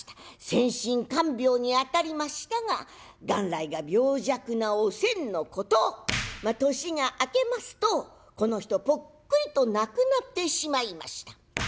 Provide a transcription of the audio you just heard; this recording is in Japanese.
専心看病に当たりましたが元来が病弱なおせんのこと年が明けますとこの人ぽっくりと亡くなってしまいました。